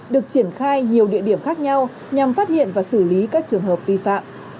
được triển khai nhiều địa điểm khác nhau nhằm phát hiện và xử lý các trường hợp vi phạm